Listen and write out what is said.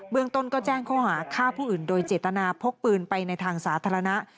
เมืองต้นก็แจ้งข้อหาฆ่าผู้อื่นโดยเจตนาพกปืนไปในทางสาธารณะ